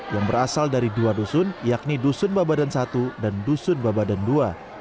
yang berasal dari dua dusun yakni dusun babadan satu dan dusun babadan ii